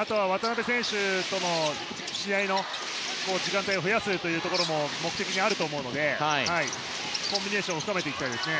あとは渡邊選手との試合の時間帯を増やすのも目的にあると思うのでコンビネーションを深めていきたいですね。